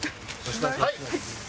はい。